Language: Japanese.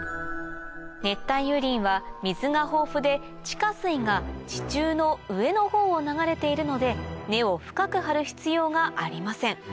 熱帯雨林は水が豊富で地下水が地中の上の方を流れているので根を深く張る必要がありません